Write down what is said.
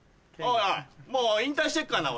もう引退してっからな俺。